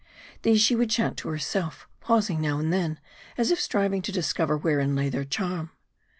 These she would chant to herself, pausing now and then, as if striving to discover wherein lay their charm.